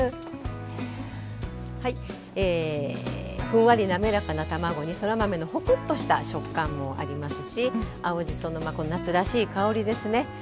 ふんわり滑らかな卵にそら豆のホクッとした食感もありますし青じその夏らしい香りですね。